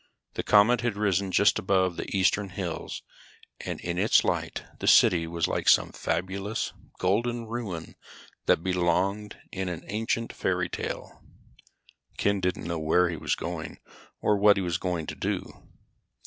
The comet had risen just above the eastern hills, and in its light the city was like some fabulous, golden ruin that belonged in an ancient fairytale. Ken didn't know where he was going or what he was going to do.